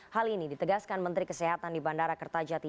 hal ini ditegaskan menteri kesehatan di bandara kertajati